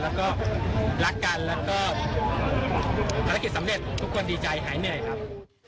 แล้วก็รักกันแล้วก็ภารกิจสำเร็จทุกคนดีใจหายเหนื่อยครับ